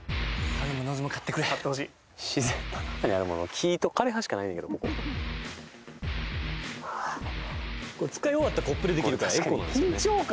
木と枯れ葉しかないねんけどここ使い終わったコップでできるからエコなんですよね